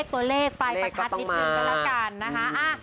ตัวเลขปลายประทัดนิดนึงก็แล้วกันนะคะ